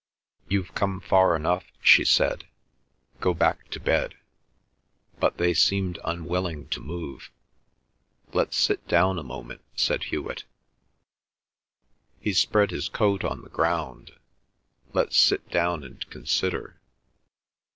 "You've come far enough," she said. "Go back to bed." But they seemed unwilling to move. "Let's sit down a moment," said Hewet. He spread his coat on the ground. "Let's sit down and consider."